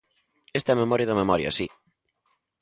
Esta é a memoria da Memoria, si.